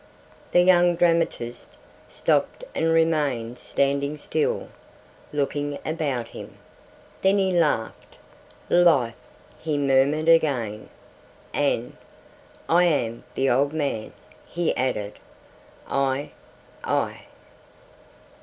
The young dramatist stopped and remained standing still, looking about him. Then he laughed. "Life," he murmured again; and "I am the old man," he added, "I ... I...."